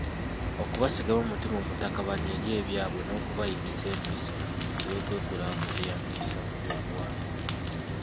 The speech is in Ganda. Okubasigamu omutima omutakabanyi eri ebyabwe n’okubayigisa empisa ey’okwekulaakulyanyisa mu byobuwangwa.